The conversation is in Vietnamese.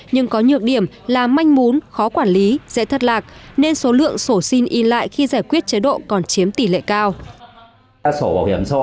nhưng có nhược điểm là manh mún khó quản lý dễ thất lạc nên số lượng sổ xin ý lại khi giải quyết chế độ còn chiếm tỷ lệ cao